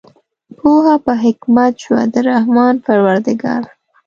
پوهه په حکمت شوه د رحمان پروردګار